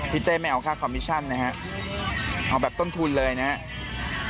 เต้ไม่เอาค่าคอมมิชั่นนะฮะเอาแบบต้นทุนเลยนะครับ